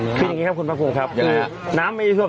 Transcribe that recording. คือยังไงครับคุณป๊าฟูงครับก็ยังไงครับ